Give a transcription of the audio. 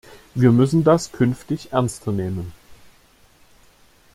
Wir müssen das künftig ernster nehmen.